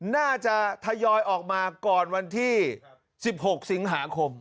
น่าจะทยอยออกมาก่อนวันที่๑๖สิงหาคม